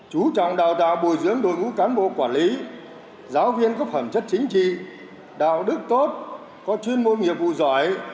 chú trọng đào tạo bồi dưỡng đội ngũ cán bộ quản lý giáo viên có phẩm chất chính trị đạo đức tốt có chuyên môn nghiệp vụ giỏi